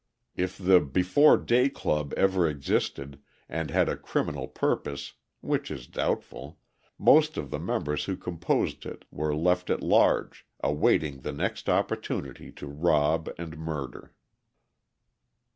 If the Before Day Club ever existed and had a criminal purpose (which is doubtful) most of the members who composed it were left at large, awaiting the next opportunity to rob and murder.